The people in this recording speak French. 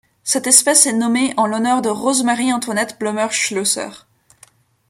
Cette espèce est nommée en l'honneur de Rose Marie Antoinette Blommers-Schlösser.